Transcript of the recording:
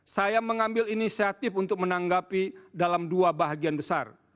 saya mengambil inisiatif untuk menanggapi dalam dua bahagian besar